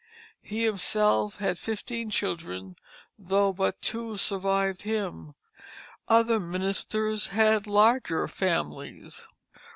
He himself had fifteen children, though but two survived him. Other ministers had larger families.